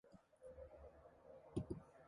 Тэд газар онгилон бие биесийг ээлжлэн түрж элдэнэ.